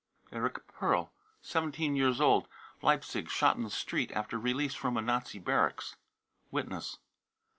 eric fi perl, 17 years old, Leipzig, shot in the street after release from a Nazi barracks. (Witness.)